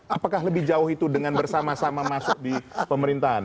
apakah lebih jauh itu dengan bersama sama masuk di pemerintahan